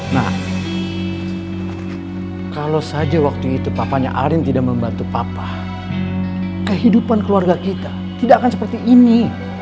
nah kalau saja waktu itu papanya arin tidak membantu papa kehidupan keluarga kita tidak akan seperti ini